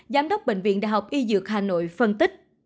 giám đốc bệnh viện đại học y dược hà nội phân tích